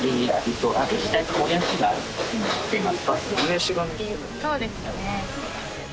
そうですね。